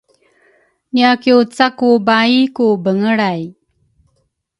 niakiucaku baai ku bengelray.